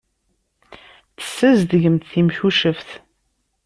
Tessazedgemt timcuceft.